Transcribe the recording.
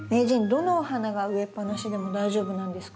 どのお花が植えっぱなしでも大丈夫なんですか？